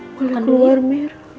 boleh keluar mir